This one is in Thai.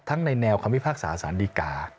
ทั้งในแนวความวิภาคสาธารณีกา